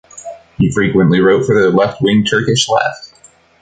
He frequently wrote for the left-wing Turkish Left.